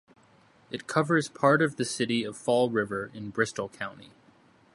It covers part of the city of Fall River in Bristol County.